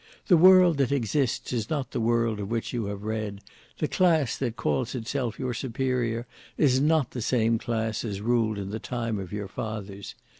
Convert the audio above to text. The world that exists is not the world of which you have read; the class that calls itself your superior is not the same class as ruled in the time of your fathers.